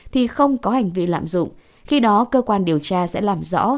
thì không có hành vi lạm dụng khi đó cơ quan điều tra sẽ làm rõ